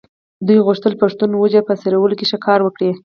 دوی غوښتل پښتون وجود په څېرلو کې ښه کار وکړي.